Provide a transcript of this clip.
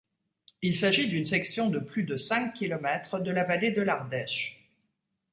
Il s'agit d'une section de plus de cinq kilomètres de la vallée de l'Ardèche.